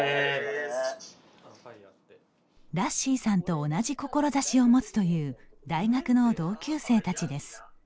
らっしーさんと同じ志を持つという大学の同級生たちです。